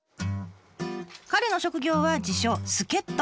彼の職業は自称「助っ人」。